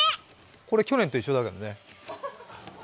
これ、去年と一緒だけどね。